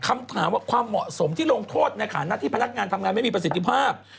คำถามว่าความเหมาะสมที่ลงโทษในฐานะที่พนักงานทำงานไม่มีประสิทธิภาพ